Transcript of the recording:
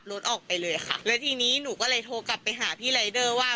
แล้วทีนี้หนูก็เลยโทรกลับไปหาพี่รายเดอร์ว่า